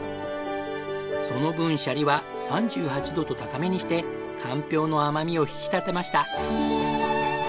その分シャリは３８度と高めにしてかんぴょうの甘みを引き立てました。